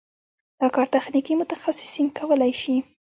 دا کار تخنیکي متخصصین کولی شي.